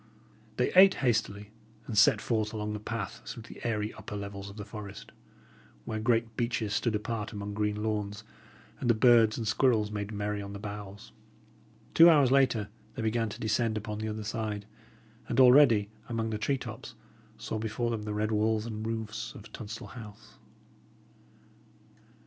They ate hastily, and set forth along the path through the airy upper levels of the forest, where great beeches stood apart among green lawns, and the birds and squirrels made merry on the boughs. Two hours later, they began to descend upon the other side, and already, among the tree tops, saw before them the red walls and roofs of Tunstall House.